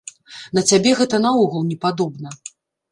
На цябе гэта наогул не падобна.